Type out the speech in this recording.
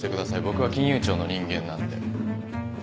僕は金融庁の人間なんで。